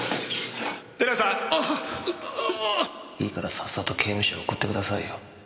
いいからさっさと刑務所へ送ってくださいよ。